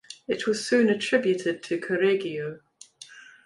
It was soon attributed to Correggio.